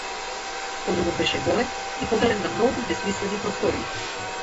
Подрумот беше голем и поделен на многу бесмислени простории.